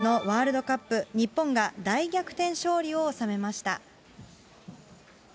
バスケットボールのワールドカップ、日本が大逆転勝利を収めました。